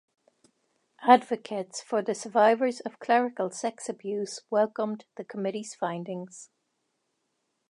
Advocates for the survivors of clerical sex abuse welcomed the committee's findings.